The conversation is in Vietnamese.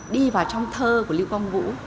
đi vào trong thơ của lưu quang vũ